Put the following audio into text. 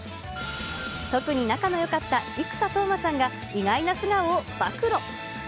特に仲のよかった生田斗真さんが、意外な素顔を暴露。